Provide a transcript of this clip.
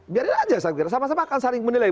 biarin saja saya pikir sama sama akan saling menilai